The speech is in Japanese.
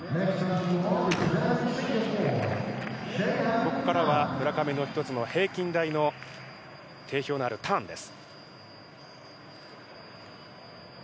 ここからは村上の１つの平均台の定評のあるターンです。